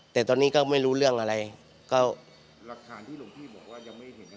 แต่ตอนนี้ก็ไม่รู้เรื่องอะไรก็หลักฐานที่หลวงพี่บอกว่ายังไม่เห็น